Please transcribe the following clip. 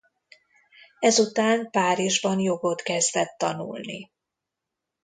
Ezután Párizsban jogot kezdett tanulni.